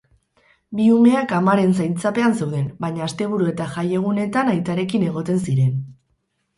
Bi umeak amaren zaintzapean zeuden, baina asteburu eta jaiegunetan aitarekin egoten ziren.